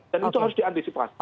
dan itu harus diantisipasi